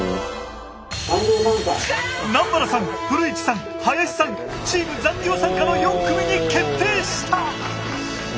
南原さん古市さん林さんチーム残業参加の４組に決定した！